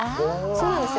そうなんですよ。